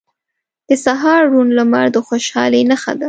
• د سهار روڼ لمر د خوشحالۍ نښه ده.